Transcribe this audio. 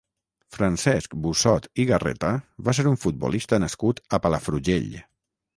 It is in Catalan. Francesc Bussot i Garreta va ser un futbolista nascut a Palafrugell.